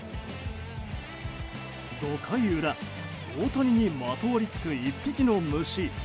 ５回裏、大谷にまとわりつく１匹の虫。